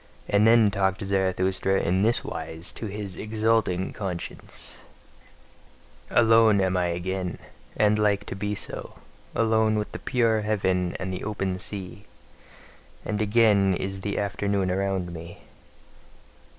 And then talked Zarathustra in this wise to his exulting conscience: Alone am I again, and like to be so, alone with the pure heaven, and the open sea; and again is the afternoon around me.